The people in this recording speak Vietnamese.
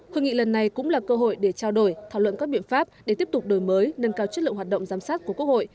hội nghị lần này cũng là cơ hội để trao đổi thảo luận các biện pháp để tiếp tục đổi mới nâng cao chất lượng hoạt động giám sát của quốc hội